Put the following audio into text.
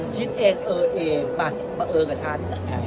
คิดเอ็งเอ่เอเอ่มาตัดกับฉัน